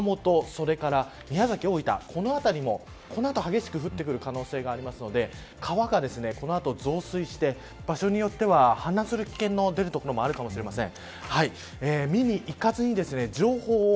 それから宮崎、大分この辺りもこのあと激しく降ってくる可能性があるので川がこの後、増水して場所によっては氾濫する危険の出る所もあるかもしれません。